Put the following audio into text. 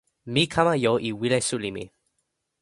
mi kama jo e wile suli mi.